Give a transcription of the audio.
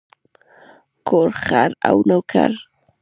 کور، خر او نوکر.